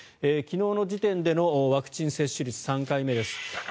昨日の時点でのワクチン接種率３回目です。